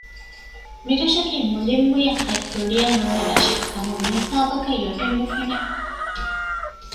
މިރަށަކީ މުލިމުއްޔަށް ހަތް ތުނޑިއަށް އޮންނަ ރަށެއް ކަމުން މިހިސާބަކަށް ޔޮޓެއް ނުފެނެ